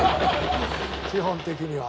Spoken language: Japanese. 基本的には。